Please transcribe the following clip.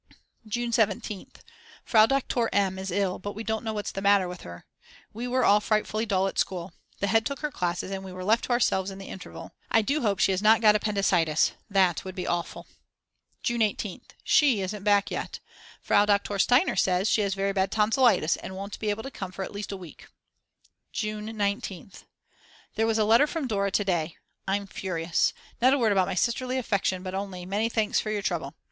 June 17th. Frau Doktor M. is ill, but we don't know what's the matter with her. We were all frightfuly dull at school. The head took her classes and we were left to ourselves in the interval. I do hope she has not got appendicitis, that would be awful. June 18th. She isn't back yet. Frau Doktor Steiner says she has very bad tonsillitis and won't be able to come for at least a week. June 19th. There was a letter from Dora to day. I'm furious. Not a word about my sisterly affection, but only: "Many thanks for your trouble."